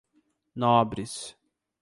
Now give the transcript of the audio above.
Nobres